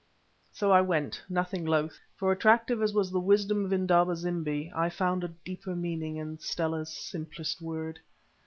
So I went, nothing loth, for attractive as was the wisdom of Indaba zimbi, I found a deeper meaning in Stella's simplest word.